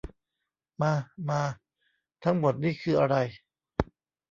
มา มา ทั้งหมดนี่คืออะไร